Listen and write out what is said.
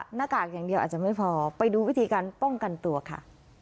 หน้ากากอย่างเดียวอาจจะไม่พอไปดูวิธีการป้องกันตัวค่ะ